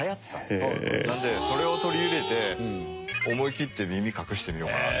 なのでそれを取り入れて思い切って耳隠してみようかなとか。